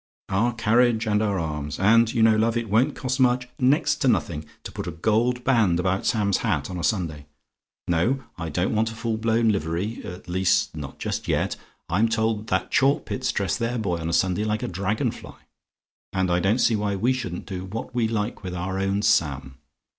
"Our carriage and our arms! And you know, love, it won't cost much next to nothing to put a gold band about Sam's hat on a Sunday. No: I don't want a full blown livery. At least, not just yet. I'm told that Chalkpits dress their boy on a Sunday like a dragon fly; and I don't see why we shouldn't do what we like with our own Sam.